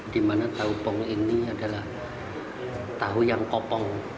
dimana tahu pong ini adalah tahu yang kopong